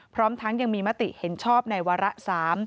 พร้อมทั้งยังมีมติเห็นชอบในวาระ๓